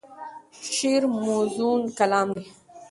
شعر موزون کلام دی.